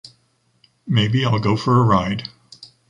Maybe I’ll go for a ride.